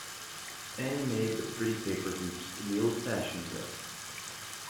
Annie made the pretty paper hoops in the old-fashioned way.